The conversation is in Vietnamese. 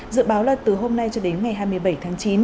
dự báo là từ hôm nay cho đến ngày hai mươi bảy tháng chín